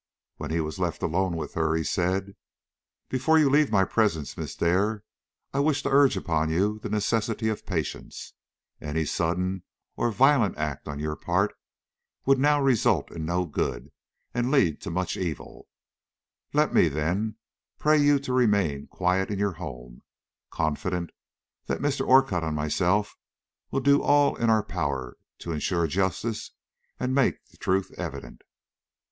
When he was left alone with her, he said: "Before you leave my presence, Miss Dare, I wish to urge upon you the necessity of patience. Any sudden or violent act on your part now would result in no good, and lead to much evil. Let me, then, pray you to remain quiet in your home, confident that Mr. Orcutt and myself will do all in our power to insure justice and make the truth evident."